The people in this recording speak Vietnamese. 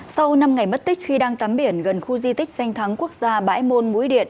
sau năm ngày mất tích khi đang tắm biển gần khu di tích danh thắng quốc gia bãi môn mũi điện